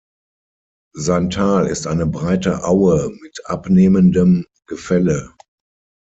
Sein Tal ist eine breite Aue mit abnehmendem Gefälle.